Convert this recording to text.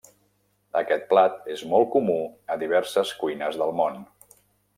Aquest plat és molt comú a diverses cuines del món.